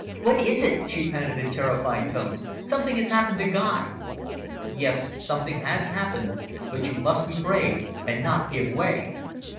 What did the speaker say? "What is it?" she panted in terrified tones. "Something has happened to Guy." "Yes, something has happened, but you must be brave and not give way.